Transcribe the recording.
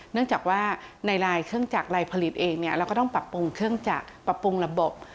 เนื่องจากว่าในลายเครื่องจักรลายผลิตเองเราก็ต้องปรับปรุงเครื่องจักรปรับปรุงระบบ